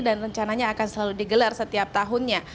dan rencananya akan selalu digelar setiap tahunnya